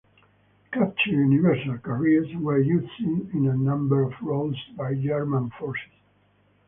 Captured Universal Carriers were used in a number of roles by German forces.